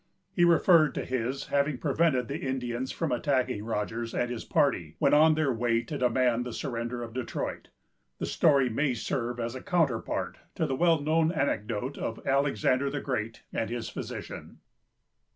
He referred to his having prevented the Indians from attacking Rogers and his party when on their way to demand the surrender of Detroit. The story may serve as a counterpart to the well known anecdote of Alexander the Great and his physician.